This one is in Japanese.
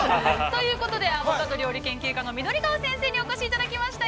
◆ということでアボカド料理研究家の緑川鮎香先生にお越しいただきました。